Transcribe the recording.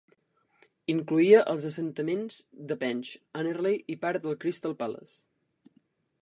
Incloïa els assentaments de Penge, Anerley i part del Crystal Palace.